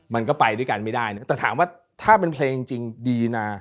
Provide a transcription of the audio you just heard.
มันก็ไปด้วยกันไม่ได้นะแต่ถามว่าถ้าเป็นเพลงจริงดีนะ